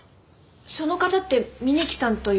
その方って峯木さんという方ですか？